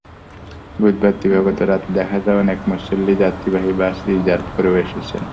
বুধবার দিবাগত রাতে দেখা যায়, অনেক মুসল্লি যাত্রীবাহী বাস রিজার্ভ করে এসেছেন।